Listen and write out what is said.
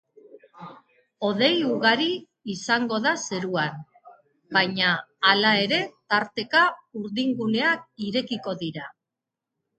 Hodei ugari izango da zeruan, baina hala ere tarteka urdinguneak irekiko dira.